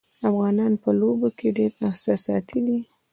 افغانان په لوبو کې ډېر احساساتي دي.